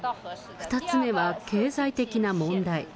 ２つ目は経済的な問題。